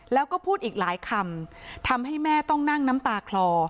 แล้วก็พูดอีกหลายคำทำให้แม่ต้องนั่งน้ำตาคลอ